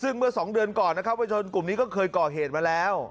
ซึ่งเมื่อ๒เดือนก่อนนะครับวชนกลุ่มนี้ก็เคยก่อเหตุมาแล้ว